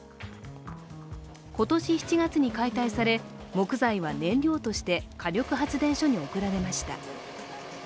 今年７月に解体され、木材は燃料として火力発電所に送られました。